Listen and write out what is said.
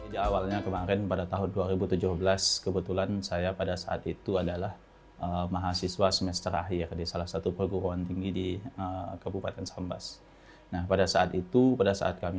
dalam keperluan keliling ini